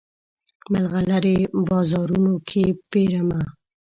مرغلرې بازارونو کې پیرمه